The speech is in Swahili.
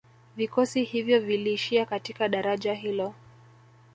Vikosi hivyo viliishia katika daraja hilo